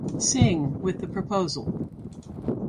Singh with the proposal.